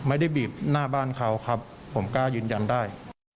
ไม่ได้บีบหน้าบ้านเขาครับผมกล้ายืนยันได้